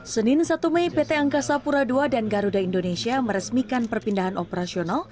senin satu mei pt angkasa pura ii dan garuda indonesia meresmikan perpindahan operasional